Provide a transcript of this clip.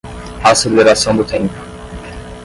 Aceleração do tempo.